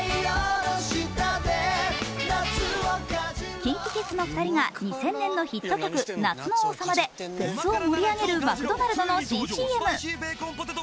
ＫｉｎＫｉＫｉｄｓの２人が２０００年のヒット曲「夏の王様」でフェスを盛り上げるマクドナルドの新ＣＭ。